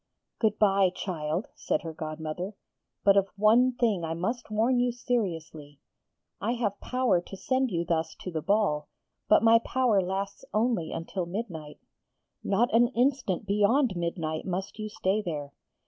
'Good bye, child! 'said her godmother. 'But of one thing I must warn you seriously. I have power to send you thus to the ball, but my power lasts only until midnight. Not an instant beyond midnight must you stay there.